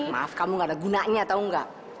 maaf kamu nggak ada gunanya tau nggak